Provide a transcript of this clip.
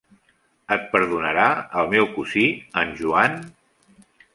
Et perdonarà el meu cosí, en Joan?